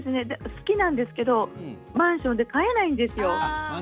好きなんですけどマンションで飼えないんですよ。